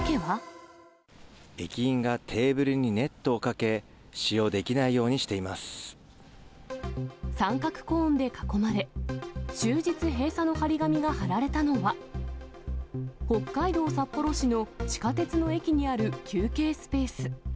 駅員がテーブルにネットをかけ、三角コーンで囲まれ、終日閉鎖の貼り紙が貼られたのは、北海道札幌市の地下鉄の駅にある休憩スペース。